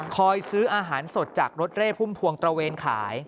ซื้ออาหารสดจากรถเร่พุ่มพวงตระเวนขาย